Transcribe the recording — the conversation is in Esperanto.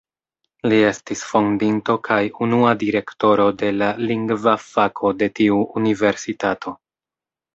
Li estis fondinto kaj unua Direktoro de la Lingva Fako de tiu universitato.